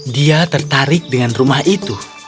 dia tertarik dengan rumah itu